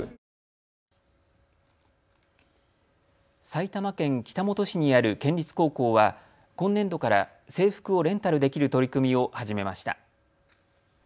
埼玉県北本市にある県立高校は今年度から制服をレンタルできる取り組みを始めました。